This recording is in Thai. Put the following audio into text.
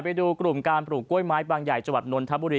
ไปดูกลุ่มการปลูกกล้วยไม้บางใหญ่จังหวัดนนทบุรี